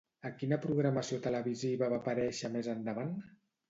A quina programació televisiva va aparèixer més endavant?